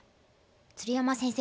鶴山先生